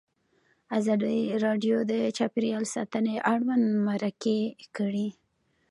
ازادي راډیو د چاپیریال ساتنه اړوند مرکې کړي.